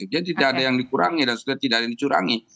jadi tidak ada yang dikurangi dan sudah tidak ada yang dicurangi